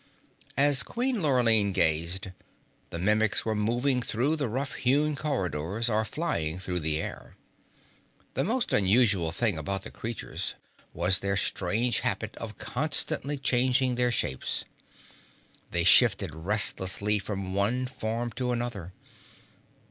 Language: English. As Queen Lurline gazed, the Mimics were moving through the rough hewn corridors or flying through the air. The most unusual thing about the creatures was their strange habit of constantly changing their shapes. They shifted restlessly from one form to another.